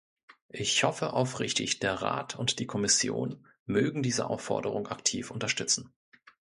Ich hoffe aufrichtig, der Rat und die Kommission mögen diese Aufforderung aktiv unterstützen.